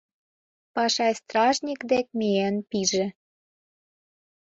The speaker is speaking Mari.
Пашай стражник дек миен пиже.